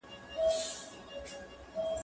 زه اوس منډه وهم!.